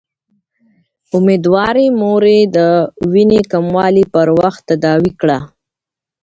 اميدوارې مورې، د وينې کموالی پر وخت تداوي کړه